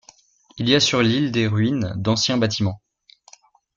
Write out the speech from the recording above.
Il y a sur l'île des ruines d'anciens bâtiments.